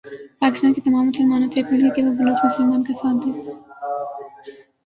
پاکستان کے تمام مسلمانوں سے اپیل ھے کہ وہ بلوچ مسلمان کا ساتھ دیں۔